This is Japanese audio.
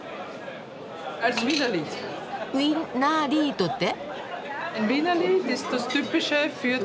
「ウィーナーリート」って？